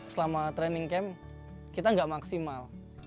selama training camp kita gak maksimal